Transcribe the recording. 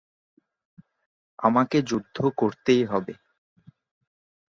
আমাকে যুদ্ধ করতেই হবে।